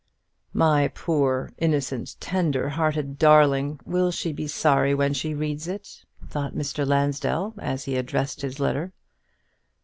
"My poor, innocent, tender hearted darling! will she be sorry when she reads it?" thought Mr. Lansdell, as he addressed his letter.